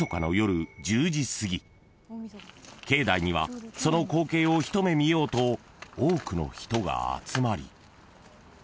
［境内にはその光景を一目見ようと多くの人が集まり］